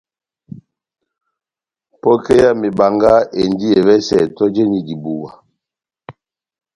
Pokɛ ya mebanga endi evɛsɛ tɔjeni dibuwa.